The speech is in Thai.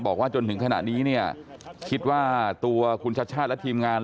บอกว่าจนถึงขนาดนี้คิดว่าตัวคุณชัชชาสิทธิพันธ์และทีมงาน